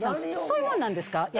そういうもんですか？